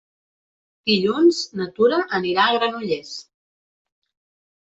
Dilluns na Tura anirà a Granollers.